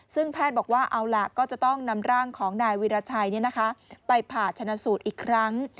ซึ่งแพทย์บอกว่าเอาล่ะก็จะต้องนำร่างของนายวิราชัยไปผ่าชนะสูตรอีกครั้ง